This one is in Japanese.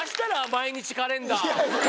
毎日カレンダー。